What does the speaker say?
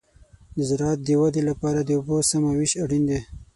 د زراعت د ودې لپاره د اوبو سمه وېش اړین دی.